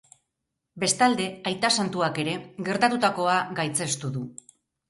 Bestalde, aita santuak ere gertatutakoa gaitzestu du.